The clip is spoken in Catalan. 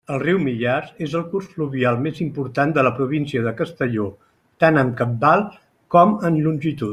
El riu Millars és el curs fluvial més important de la província de Castelló, tant en cabal com en longitud.